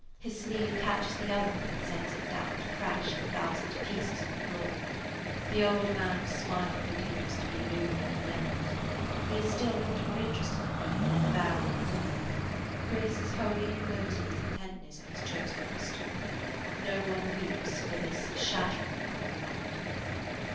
His sleeve catches the other one and sends it down to crash in a thousand pieces on the floor. The old man's smile continues to be lewd and benevolent; he is still not more interested in me than in the bare armed woman. Chris is wholly inclosed in his intentness on his chosen crystal. No one weeps for this shattering of our world.